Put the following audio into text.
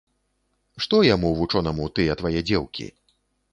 Што яму, вучонаму, тыя твае дзеўкі?